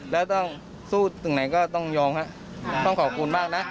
และสู้สิ่งไหนก็ต้องยอมต้องขอบคุณมากนะ